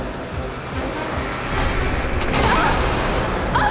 あっ！